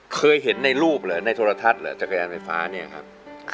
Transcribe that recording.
เคยเห็นในรูปเหรอในโทรทัศน์เหรอจักรยานไฟฟ้าเนี่ยครับ